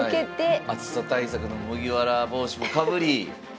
暑さ対策の麦わら帽子もかぶり。